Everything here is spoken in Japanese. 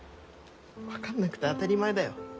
分かんなくて当たり前だよ。